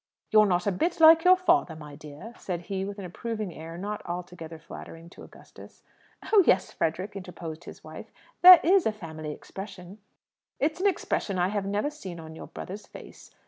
"You're not a bit like your father, my dear," said he, with an approving air not altogether flattering to Augustus. "Oh yes, Frederick!" interposed his wife. "There is a family expression." "It's an expression I have never seen on your brother's face.